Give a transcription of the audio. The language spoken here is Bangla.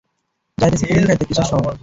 যাইতেসি পুডিং খাইতে, কেসার সহ।